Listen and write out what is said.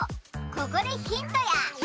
ここでヒントや！